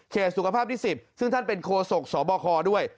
สุขภาพที่๑๐ซึ่งท่านเป็นโคศกสบคด้วย